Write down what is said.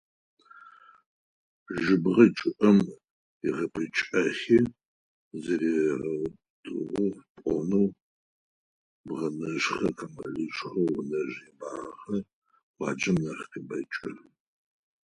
Жьыбгъэ чъыӀэм ыгъэпӀыкӀэхи заригъэутӀыӀугъ пloнэу, бгъэнышъхьэ-къамылышъхьэ унэжъ ебагъэхэр къуаджэм нахь къебэкӀы.